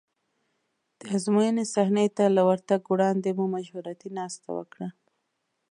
د ازموینې صحنې ته له ورتګ وړاندې مو مشورتي ناسته وکړه.